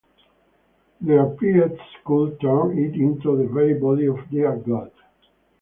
Their priests could turn it into the very body of their god.